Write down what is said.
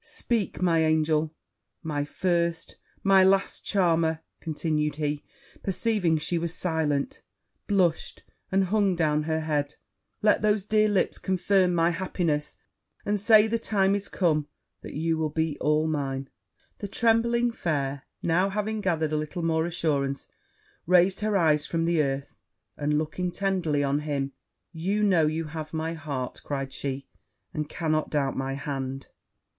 Speak, my angel my first, my last, charmer!' continued he, perceiving she was silent, blushed, and hung down her head; 'let those dear lips confirm my happiness, and say the time is come that you will be all mine.' The trembling fair now, having gathered a little more assurance, raised her eyes from the earth, and looking tenderly on him, 'You know you have my heart,' cried she; 'and cannot doubt my hand.'